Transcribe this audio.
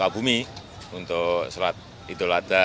bumi untuk sholat idul adha